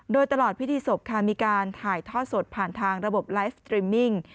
โดยตลอดพิธีศพค่ะมีการถ่ายทอดสดผ่านทางระบบไลฟ์สตรีมมิ่ง